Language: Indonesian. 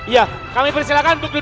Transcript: ya kami persilakan duduk kembali